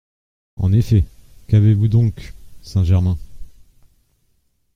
En effet, qu’avez-vous donc, Saint-Germain ?…